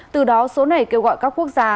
từ đó số này kêu gọi các quốc gia